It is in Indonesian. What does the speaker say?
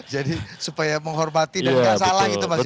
jadi supaya menghormati dan enggak salah gitu mas ya